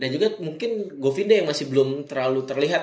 dan juga mungkin govinda yang masih belum terlalu terlihat